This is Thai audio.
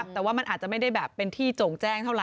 แต่ว่ามันอาจจะไม่ได้แบบเป็นที่โจ่งแจ้งเท่าไห